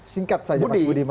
singkat saja mas budi